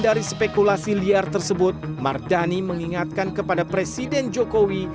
dari spekulasi liar tersebut mardani mengingatkan kepada presiden jokowi